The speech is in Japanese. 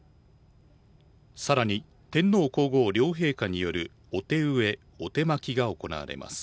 更に天皇皇后両陛下によるお手植えお手播きが行われます。